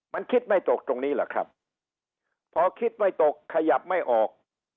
มันคิดไม่ตกตรงนี้แหละครับพอคิดไม่ตกขยับไม่ออก